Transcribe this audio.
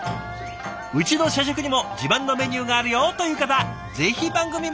「うちの社食にも自慢のメニューがあるよ！」という方ぜひ番組までご一報を。